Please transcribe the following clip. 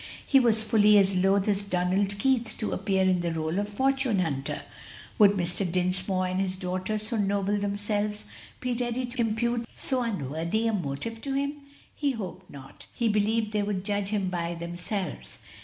He was fully as loath as Donald Keith to appear in the rôle of fortune hunter. Would Mr. Dinsmore and his daughter, so noble themselves, be ready to impute so unworthy a motive to him? He hoped not, he believed they would judge him by themselves.